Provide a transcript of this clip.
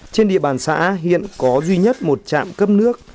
trên địa bàn xã hiện có duy nhất một trạm cấp nước